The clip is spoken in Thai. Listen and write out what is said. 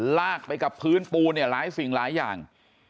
ลากไปกับพื้นปูเนี่ยหลายสิ่งหลายอย่าง